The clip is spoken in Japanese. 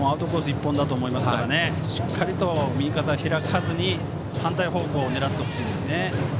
一本と思いますからしっかりと右肩を開かずに反対方向を狙ってほしいですね。